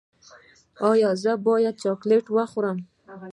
ایا زه باید چاکلیټ وخورم؟